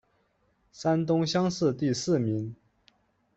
山东乡试第四名。